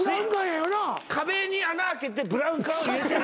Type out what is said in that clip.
壁に穴開けてブラウン管を入れてる。